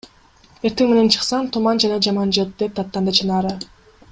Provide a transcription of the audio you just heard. Эртең менен чыксаң — туман жана жаман жыт, – деп даттанды Чынара.